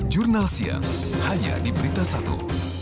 jurnal siang hanya di berita satu